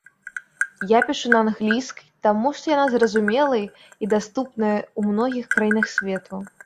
Я пішу на англійскай таму што яна зразумелай і даступная ў многіх краінах свету.